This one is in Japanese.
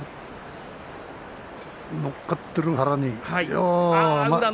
乗っかっている腹に。